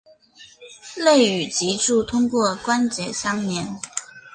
肋与脊柱通过关节相连。